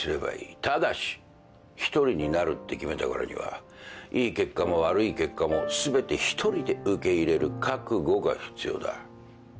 ただし１人になるって決めたからにはいい結果も悪い結果も全て１人で受け入れる覚悟が必要だ。